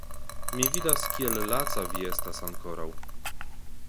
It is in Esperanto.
Mi vidas, kiel laca vi estas ankoraŭ.